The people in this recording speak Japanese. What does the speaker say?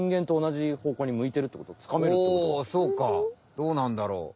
どうなんだろう？